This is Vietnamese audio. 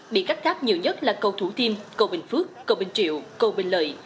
bị cắt cáp nhiều nhất là cầu thủ thiêm cầu bình phước cầu bình triệu cầu bình lợi